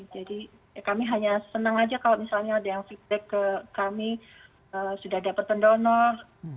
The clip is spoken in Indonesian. jadi kami hanya senang aja kalau misalnya ada yang feedback ke kami sudah dapat pendonor